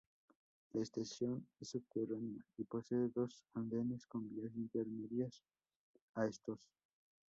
La estación es subterránea y posee dos andenes con vías intermedias a estos.